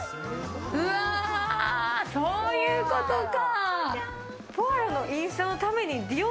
うわ、そういうことか。